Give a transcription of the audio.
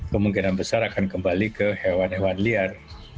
kemungkinan besar akan kembali ke hewan hewan liar